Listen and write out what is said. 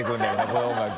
この音楽。